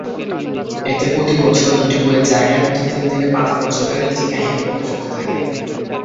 এতে প্রতিবছর দুটি বইয়ের যায়গায় প্রতি তিন থেকে পাঁচ বছরের একটি কাহিনী প্রকাশ হতে থাকে।